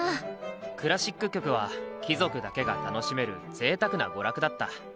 クラシック曲は貴族だけが楽しめるぜいたくな娯楽だった。